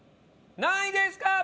何位ですか？